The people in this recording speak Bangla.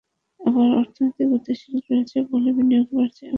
আবার অর্থনীতি গতিশীল রয়েছে বলে বিনিয়োগ বাড়ছে, এমনও মনে করেন অনেকে।